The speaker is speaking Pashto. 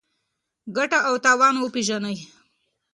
ګټه او تاوان وپېژنئ.